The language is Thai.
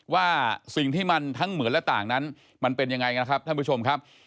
ว่าสิ่งที่มันทั้งเหมือนและต่างนั้นมันเป็นยังไงกันนะครับท่านผู้ชมครับ